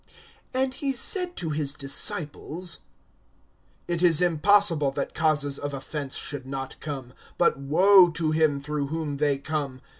AND he said to his disciples: It is impossible that causes of offense should not come; but woe to him through whom they come!